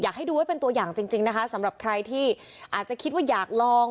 อยากให้ดูไว้เป็นตัวอย่างจริงนะคะสำหรับใครที่อาจจะคิดว่าอยากลอง